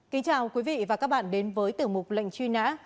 kính chào quý vị và các bạn đến với tiểu mục lệnh truy nã